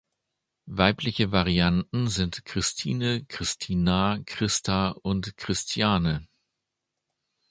Weibliche Varianten sind Christine, Christina, Christa und Christiane.